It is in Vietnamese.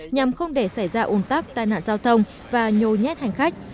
nhằm không để xảy ra ồn tắc tai nạn giao thông và nhồi nhét hành khách